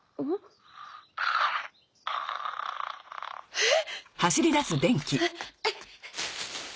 えっ！？